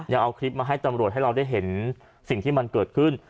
ยังเอาคลิปมาให้ตำรวจให้เราได้เห็นสิ่งที่มันเกิดขึ้น